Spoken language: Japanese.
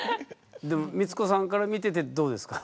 でも光子さんから見ててどうですか？